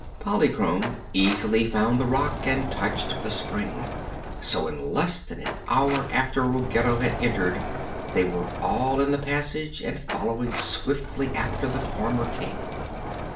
Polychrome easily found the rock and touched the spring, so in less than an hour after Ruggedo had entered they were all in the passage and following swiftly after the former King.